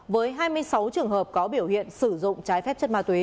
với hai mươi sáu trường hợp có biểu hiện sử dụng trái phép chất ma túy